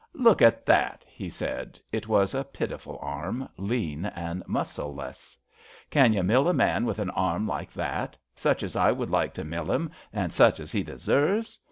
" Look at that !" he said. It was a pitiful arm, lean and muscleless. Can you mill a man with an arm like that — such as I would like to mill him, an' such as he deserves?